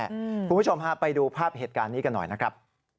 คุณผู้ชมฮะไปดูภาพเหตุการณ์นี้กันหน่อยนะครับ